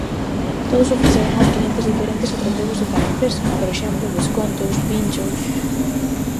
Todos ofrecerán aos clientes diferentes atractivos en cada empresa, por exemplo: descontos, pinchos...